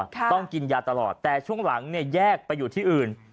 ต้องกินยาตลอดแต่ช่วงหลังเนี่ยแยกไปอยู่ที่อื่น